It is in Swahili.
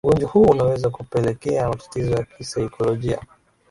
ugonjwa huu unaweza kupelekea matatizo ya kisaikolojia